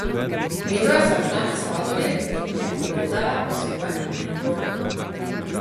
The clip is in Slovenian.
Midva sva šla na sladoled in mi je povedala o svojem dnevu.